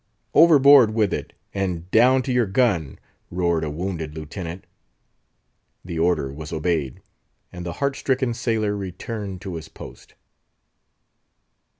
overboard with it, and down to your gun!" roared a wounded Lieutenant. The order was obeyed, and the heart stricken sailor returned to his post.